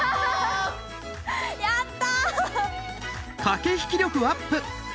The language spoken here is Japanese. やった！